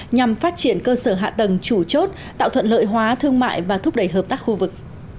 nhằm phát triển cơ sở hạ tầng chủ chốt tạo thuận lợi hóa thương mại và thúc đẩy hợp tác khu vực